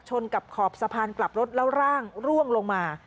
กับขอบสะพานกลับรถแล้วร่างร่วงลงมา